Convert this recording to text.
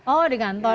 oh di kantor